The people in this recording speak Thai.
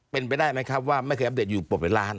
เป็นไปได้ไหมครับว่าไม่เคยอัปเดตอยู่ปลดเป็นล้าน